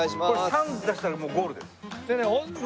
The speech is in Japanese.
３出したらもうゴールです。